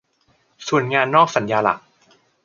ส่วนงานนอกสัญญาหลัก